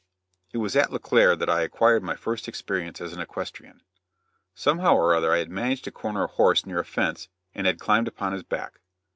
It was at LeClair that I acquired my first experience as an equestrian. Somehow or other I had managed to corner a horse near a fence, and had climbed upon his back.